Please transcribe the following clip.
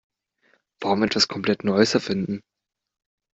Warum etwas komplett Neues erfinden?